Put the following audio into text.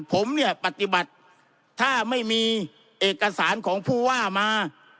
ผมเนี่ยปฏิบัติถ้าไม่มีเอกสารของผู้ว่ามา